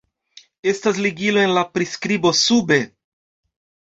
Estas ligilo en la priskribo sube.